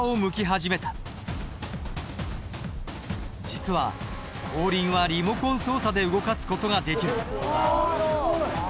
実は後輪はリモコン操作で動かす事ができる。